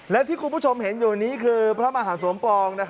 และที่คุณผู้ชมเห็นอยู่นี้คือพระมหาสมปอง